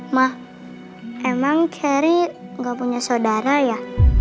ma emang cherry gak punya saudara ya